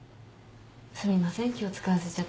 すみません気を使わせちゃって。